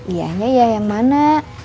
ianya ya yang mana